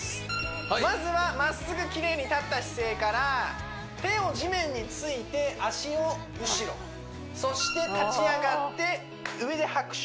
まずはまっすぐきれいに立った姿勢から手を地面について脚を後ろそして立ち上がって上で拍手